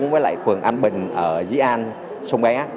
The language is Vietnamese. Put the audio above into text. cái phường an bình ở dưới an sông bé